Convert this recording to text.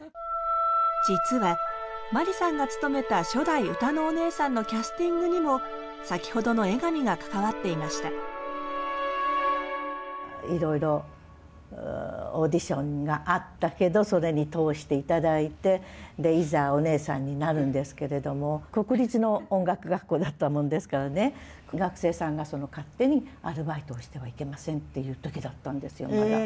実は眞理さんが務めた初代歌のお姉さんのキャスティングにも先ほどの江上が関わっていましたいろいろオーディションがあったけどそれに通していただいていざお姉さんになるんですけれども国立の音楽学校だったもんですからね学生さんがその勝手にアルバイトをしてはいけませんっていう時だったんですよまだ。